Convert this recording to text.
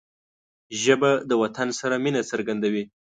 ژبه د وطن سره مینه څرګندوي